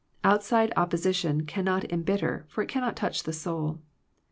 Outside oppo sition cannot embitter, for it cannot touch the soul.